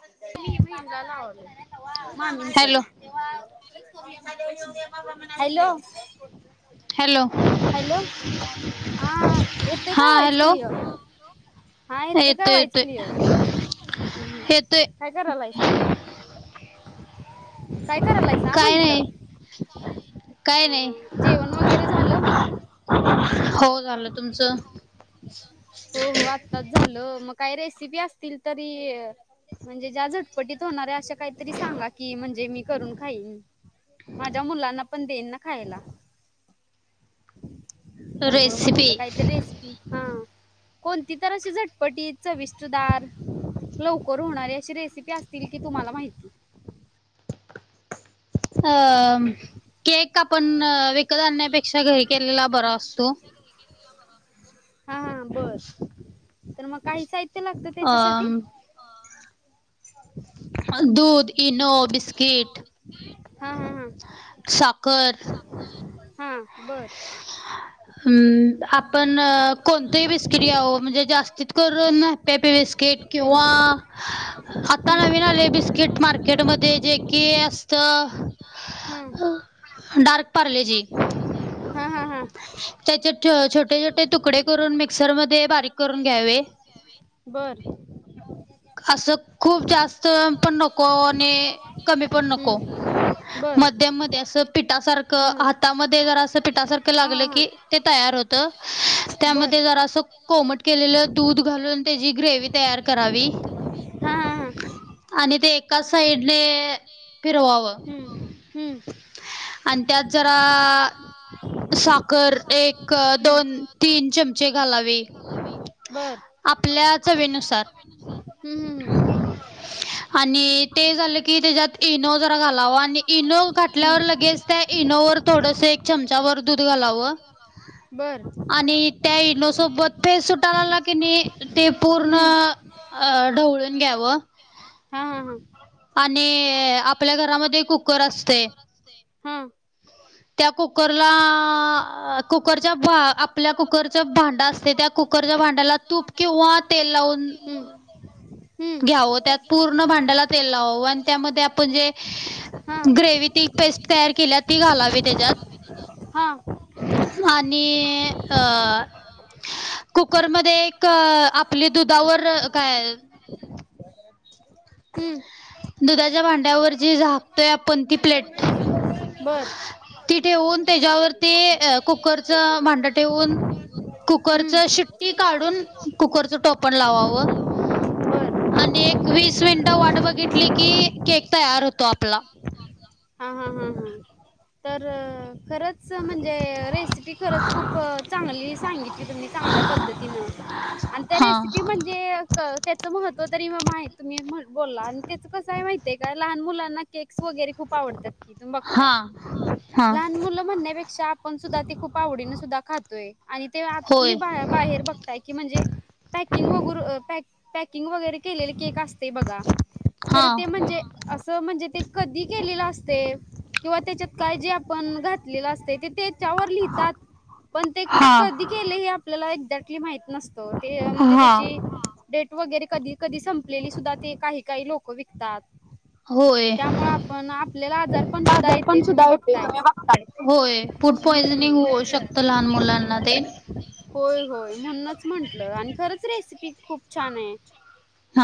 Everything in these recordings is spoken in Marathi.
[inaudible] Hello hello. हॅलो हॅलो हांहां येतय हा काय व्हाइच हॅलो क्लियर? हां येतोय काय वाईच क्लियर? येतोय काय करायलायसा? काय करालायसा काय म्हंटलं? नाही काय हं हं नाही हं जेवण वगैरे झालं? हो झालं तुमचं? हो हो आत्ताच झालं मग काय रेसिपी असतील तरी म्हणजे ज्या झटपटीत होणाऱ्या अशा कायतरी सांगाकी म्हणजे मी करून खाईन. माझ्या मुलांना पन देईंन ना खायला. त्यामुळं रेसिपी म्हंटलं कायतरी रेसिपी हा कोणतीतर अशी झटपटीत चविष्टदार लवकर होणारी अशी रेसिपी असतील की तुम्हाला माहिती? अम केक आपण अ विक विकत आणण्यापेक्षा घरी केलेला बरा असतो. हा हा बर [inaudible] तर मग काय साहित्य लागतं अ त्याच्यासाठी दूध, इनो, बिस्किट हं हं हं साखर साखर हं बर हम्म आपण आपण कोणतही बिस्किट खोबरे घ्याव म्हणजे विस्किरी जास्तीत म्हणजे करून जास्त हॅपी हॅपी करून बिस्किट खोबरे किंवा हम्म आं विस्किर आता किंवा नवीन आलेय बिस्किट मार्केटमध्ये जे कि असतं हम्म डार्क पार्लेजी हं हं हं त्याचे टओ छोटे छोटे तुकडे करून मिक्सर मध्ये बारीक करून घ्यावे. बर असक खूप जास्त पण नको आणि कमीपण नको. बर. मध्यम मध्ये असं पिठासारखं हातामध्ये जरासं पीठ् ठासारखं लागलं घातलं की ते तयार होतं बर. त्यामध्ये जरास कोमट केलेल दूध घालू घालून तेजी ग्रेवी तयार करावी हा हा हा. आणि ते एकाच साइडने [unintelligible] आणि त्यात जरा साखर एकं दोनतीन चमचे घालावी बर चवीनुसार हम्म हम्म हम्म आणि ते झालं की त्याच्यात इनो जरा घालावा आणि इनो घाठल्यावर लगेच ते इनोवर थोडस एक चमचाभर दूध घालावं बर आणि त्या इनोसोबत फेस सुटालाला कीनी ते पूर्ण हम्म. अ ढवळून घ्यावं. हा हा हा आणि आपल्या घरामध्ये, कुकर असतय हा त्या कुकरला आ कुकरच्या, भा आपल्या कुकरच्या आत भांडं असतय, त्या कुकरच्या भांड्याला तुप किंवा तेल लावून [inaudible] घ्यावं, त्यात पूर्ण भांड्याला तेल लावावं आणि त्यामध्ये आपण जे हा ग्रेव्ही ती पेस्ट तयार कील्या, ती घालावी त्याज्यात हा आणि अ कुकरमध्ये एक, आपली दुधावर काय हम्म दुधाच्या भांड्यावर जी झाकतोय आपण ती प्लेट बर ती ठेवून त्याच्यावर ते कुकरचं भांड ठेवून कुकरच हम्म. शिट्टी काढून, कुकरचं टोपण लावावं. [unintelligible] आणि एक, वीस मिनिटं वाट बघितली कि, केक तयार होतो आपला. हां... हां... हां... तरं! खर च म्हणजे रेसिपी खरंच खूप चांगली सांगितली, तुम्ही चांगल्या पद्धतीनं आणि, त्या रेसिपी हा म्हणजे, त्याच महत्वं तो तरी मग, माहीत म्हणून तुम्ही बोलला आणि त्याच कसं आहे माहितय का? लहान मुलांना केक्स वगैरे खूप आवडतात की, तुम्ही बघताय. हा हा लहान मुलं म्हणण्यापेक्षा, आपण सुद्धा ते खूप आवडीने सुद्धा खातोय, आणि ते आत आणि होय तुम्ही बाहे बाहेर बघताय की, म्हणजे पॅकींग वगैरे पॅकिंग वगैरे केलेले केक असतंय बघा, हा खरं ते म्हणजे असं म्हणजे कधी? केलेल अस ते किंवा त्याच्यात काय जे आपण घातलेलं असते, ते त्याच्यावर लिहितात. पण ते, हा कधी केलंय? हे आपल्याला त्यातली माहिती नसते, ते म्हणजे हा त्याची डेट वगैरे कधी? कधी संपलेली सुद्धा, ते काही-काही लोक विकतात. होय. त्यामुळे आपण आपल्याला आजार पण सुद्धा येते आजारपण तुम्ही सुद्धा येतंय, तुम्ही बघतायच बघताय. होय, फूड पॉझनिंग सुद्धा होऊ शकते त लहान मुलांना ते. होय-होय, म्हणूनच म्हंटलं आणि खरंच, रेसिपी खूप छान आहे.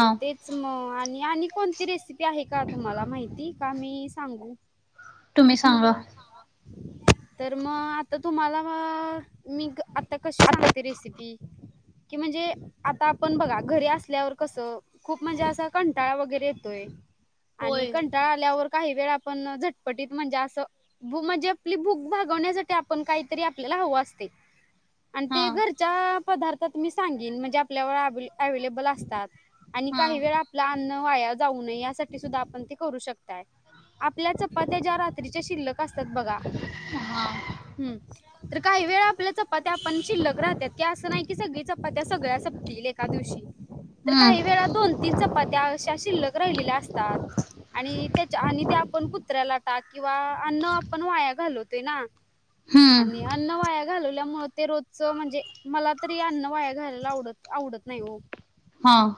मग तेच म आ आणि, कोणती रेसिपी आहे का तुम्हाला माहिती? का मी सांगू? तुम्ही सांगा. तर मग, आता तुम्हाला मी, आता कशी सांगते रेसिपी? [unintelligible] कि म्हणजे, आता आपण बघा, घरी असल्यावर कसं, खूप म्हणजे असा कंटाळा वगैरे येतोय. आणि होय. कंटाळा आल्यावर काही वेळा, आपण झटपटीत म्हणजे असं म्हणजे आपली भूक भागवण्यासाठी आपण काही तरी आपल्याला हवं असतंय. आणि हा ते, घरच्या पदार्थात मी सांगीन, म्हणजे आपल्या जवळ ऍव्हेलेबल असतात. आणि, हा काही वेळा आपलं अन्न वाया जाऊ नये यासाठी सुद्धा आपण किती करू शकताय. आपल्या चपात्या ज्या रात्रीच्या शिल्लक असतात बघा, हम्म. तर काही वेळा, आपल्या चपात्या पण शिल्लक राहतात की, असं नाही कि सगळी चपा चपात्या सगळ्या संपतील एका दिवशी, तर हम्म काही वेळा दोन-तीन चपाती त्या अशा शिल्लक राहिलेल्या असतात, आणि त्याच्या आणि त्या आपण कुत्र्याला टाक किंवा अन्न आपण वाया घालवतोय ना आणि हम्म अन्न वाया घालवल्यामुळं ते रोजचं म्हंजे मला तरी अन्न वाया घालायला आवडत आवडत नाही ओ हां.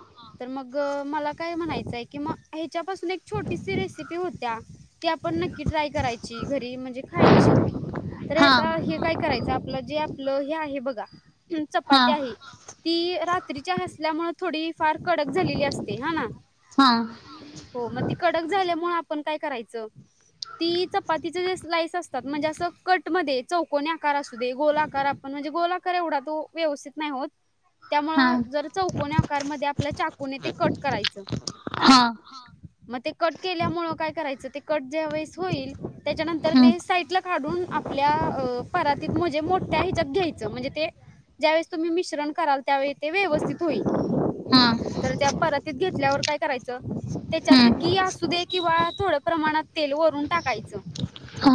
गं मला काय म्हणायचंय कि म ह्याच्यापासून एक सी रिसिपी होत्या ती आपन नक्की ट्राय करायची घरी म्हंजे खायची. तर हे हा आता हे काय करायचं आपलं जे आप आपलं हे आहे बघा हा चपाती आहे ती रात्रीची हसल्यामुळं थोडी फार कडक झालेली असते हांना. हां. झाल्यामुळ आपण काय करायचं? ती चपातीचेजे स्लाईस असतात म्हंजे असं कटमध्ये चौकोनी आकार असू दे गोल आकार आपण म्हंजे गोल आकार एवढा तो व्यवस्थित नाय होत. हा त्यामुळं जर चौकोनी आकारमध्ये आपल्या चाकून ते कट करायचं. हा म ते कट केल्यामुळं काय करायचं ते कट ज्या वेळेस होईल त्याच्यानंतर हम्म ते साईडला काढून आपल्या अ परातीत म्हजे मोठ्या हिज्यात घ्यायचं म्हणजे ते ज्यावेेळेस तुम्ही मिश्रण कराल त्यावेळी ते व्येवस्थित होईल. हा तर त्या परातीत घेतल्यावर काय करायचं ते च्यात हम्म गी असूदे किंवा थोड प्रमाणात तेल वरून टाकायचं. हा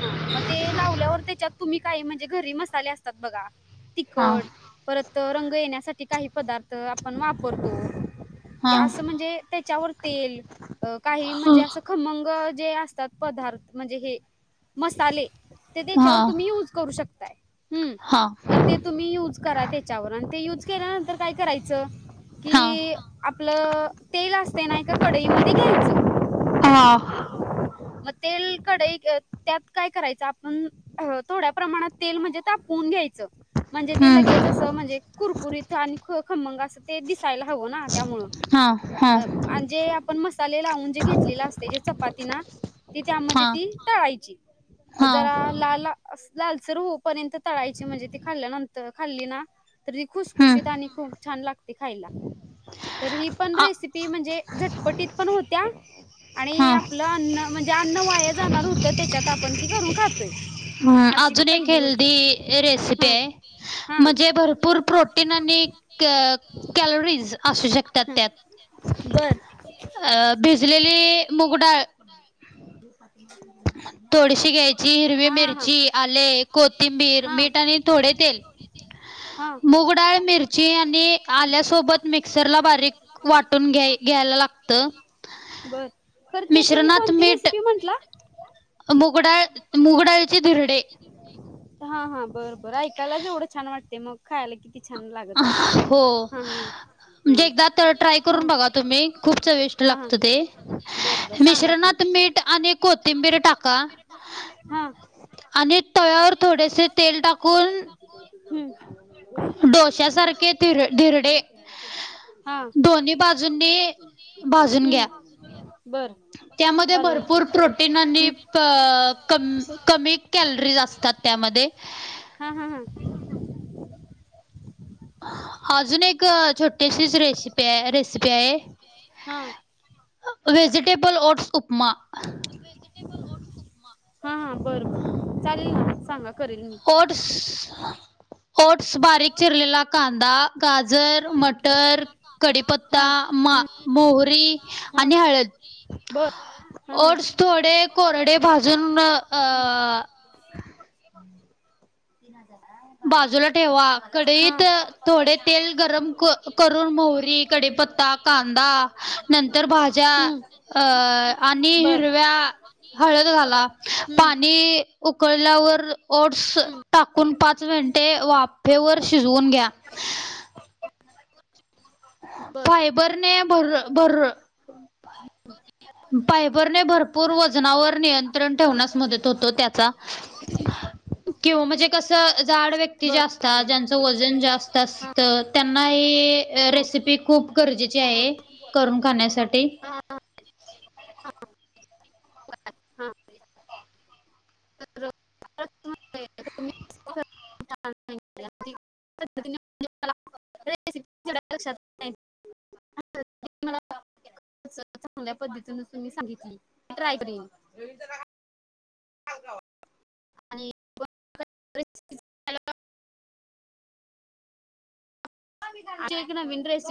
हां म ते लावल्यावर त्याच्यात तुम्ही काय म्हणजे घरी मसाले असतात बघा हा तिखट परत तो रंग येण्यासाठी काही पदार्थ आपण वापरतो की हा असं म्हणजे त्याच्यावर तेल अ काही म्हणजे असं खमंग जे असतात पदार्थ म्हणजे हे मसाले ते हा तेच्यावर हा तुम्ही युज करू शक हं हा तर ते तुम्ही युज करा तेच्यावर आणि ते युज केल्यानंतर काय करायचं की आपलं तेल अस ते ना एका कढई मध्ये घ्यायचं. हा म तेल कढईत अ त्यात काय करायचं आपण अ थोड्या प्रमाणात तेल म्हणजे ताप उन घ्यायचं म्हणजे ते हम्म लगेच असं म्हणजे कुरकुरीत आन् ख खमंग असं ते दिसायला हवं ना त्यामुळं हा हा आन जे, आपण मसाले लावून जे घेतलेलं असतयं जे चपातीना ती हा त्यामध्ये ती तळायची. अ हा जरा लाल अस् लालसर हु पर्यंत तळायची, म्हंजे ती खाल्ल्या नंतर खाल्लीना तर ती हम्म खुसखुशीत आणि खूप छान न लागती खायला. तर हीपन आ रेसिपी म्हंनजे झटपटीत पण होत्या आणि हा आपलं अन्न, म्हंनजे अन्न वाया जाणार हुतं त्याच्यात आपण ती करून खातोय. अशी अजून एक पहिली गोष्ट हेल्दी हा रेसिपीआय, हा म्हनजे भरपूर प्रोटीन अन इ कॅलोरीज असू शकतात त्यात. बंर. अ भिजलेली मुगडाळ. [inaudible] थोडीशी घ्यायची, बर हिरवी मिरची, आले, कोथिंबीर, मीठ आणि थोडे तेल. [inaudible] मुगडाळ, मिरची आणि आल्यासोबत मिक्सरला बारीक वाटून घ्याय घ्याला लागत, मिश्रणात कोंनती मीठ, रेसिपी म्हंटला? मुगडाळ मुगडाळचे धिरडे हां, हां. बंर, बंर ऐकायलाच एवढं छान वाटते, मग खायला किती छान लागत असेल हां, ह. म्हंनजे एकदा त ट्राय करून बगा तुम्ही. खूप चविष्ट हा हा लागत ते बर बर सांगा की मिश्रणात मीठ आणि कोथिंबीर टाका. आणि तव्यावर आणि थोडेसे तव्यावर थोडसं तेल टाकून, हम्म. डोश्या सारखे धीर-धिरडे हा. हम्म. दोन्ही भाजून बाजूंनी हा घ्या भाजून घ्या बर. त्यामध्ये चालेल भरपूर की प्रोटीन आणि हम्म प-कमी कमी कॅलरीज तात त्यामध्ये. हा हा हा [inaudible] अजून एक छोटीशीच रेसिपी आहे, रेसिपी आहे. हा vegetable oats upma. Vegetable oats upma. हा हा बर बर चालेल ना, सांगा. करेल मी ओट्स ओट्स, बारीक चिरलेला कांदा, गाजर, मटर हा कडीपत्ता मा हम्म मोहरी आणि हळद. बरं ओट्स थोडे कोरडे ह भाजून अ ह [unintelligible] [unintelligible] बाजूला ठेवा. कढईत थोडे तेल गरम करून मोहरी, कडी पत्ता, कांदा नंतर भाज्या हम्म अ आणि बर हिरव्या हळद घाला. हम्म पाणी उकळल्यावर ओट्स टाकून पाच मिनटे वाफेवर शिज शिजवून घ्या. बर. ने भर भर, फायबर ने भर पूर वजनावर नियंत्रण ठेवण्यास मदत होतो त्याचा. किंवा म्हणजे कसं जाड व्यक्ती जे असतात, ज्यांचं वजन जास्त असतं त्यांना हे हे रेसिपी खूप गरजेची आहे, करून खाण्यासाठी. हा [unintelligible] हा. [unintelligible] [unintelligible] रेसिपी एवढ्या लक्षात राहत नईत. [unintelligible] मला [unintelligible] चांगल्या पद्धतीनी तुम्ही सांगितली. ट्राय करीन. [unintelligible] [unintelligible] आमची एक नवीन रेसिप